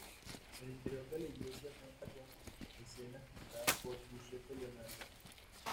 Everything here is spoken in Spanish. El interior de la iglesia cuenta con escenas pintadas por Jusepe Leonardo.